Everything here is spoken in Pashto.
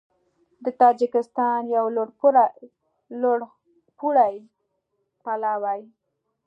د تاجېکستان یو لوړپوړی پلاوی